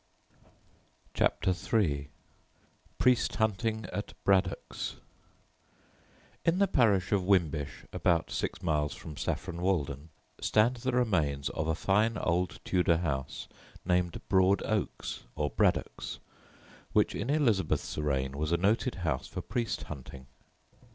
CHAPTER III PRIEST HUNTING AT BRADDOCKS In the parish of Wimbish, about six miles from Saffron Walden, stand the remains of a fine old Tudor house named Broad Oaks, or Braddocks, which in Elizabeth's reign was a noted house for priest hunting.